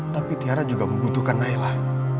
tapi tiara juga membutuhkan naila